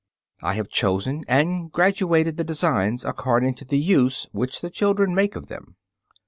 I have chosen and graduated the designs according to the use which the children made of them.